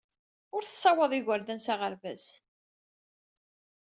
Ur tessaweḍ igerdan s aɣerbaz.